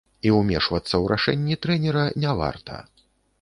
І ўмешвацца ў рашэнні трэнера не варта.